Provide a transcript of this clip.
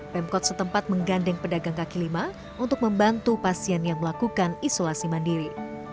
pemkot setempat menggandeng pedagang kaki lima untuk membantu pasien yang melakukan isolasi mandiri